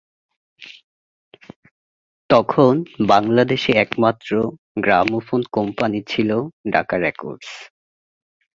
তখন বাংলাদেশে একমাত্র গ্রামোফোন কোম্পানি ছিল ঢাকা রেকর্ডস।